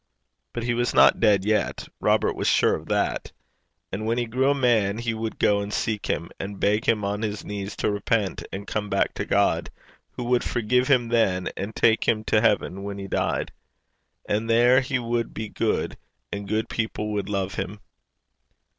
But he was not dead yet: Robert was sure of that. And when he grew a man, he would go and seek him, and beg him on his knees to repent and come back to God, who would forgive him then, and take him to heaven when he died. And there he would be good, and good people would love him.